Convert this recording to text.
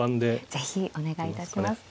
是非お願いいたします。